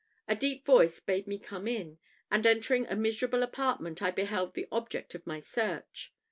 A deep voice bade me come in; and, entering a miserable apartment, I beheld the object of my search.